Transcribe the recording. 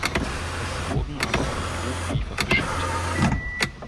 Es wurden aber auch Drohbriefe verschickt.